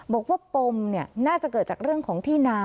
ปมน่าจะเกิดจากเรื่องของที่นา